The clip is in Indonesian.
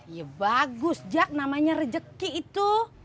ya bagus jak namanya rejeki itu